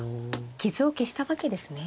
傷を消したわけですね。